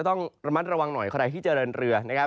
ต้องระมัดระวังหน่อยในขณะที่จะเรือนเรือนะครับ